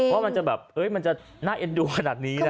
ว่ามันจะแบบเฮ้ยมันจะน่าเอ็นดูขนาดนี้นะ